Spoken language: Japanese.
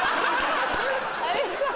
有吉さん